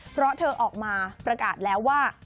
เพราะเธอออกมาประกาศแล้วว่า